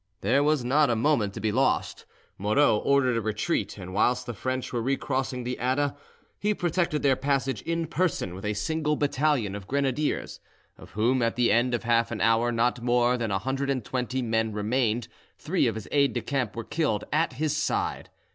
There was not a moment to be lost. Moreau ordered a retreat, and whilst the French were recrossing the Adda, he protected their passage in person with a single battalion of grenadiers, of whom at the end of half an hour not more than a hundred and twenty men remained; three of his aides de camp were killed at his side.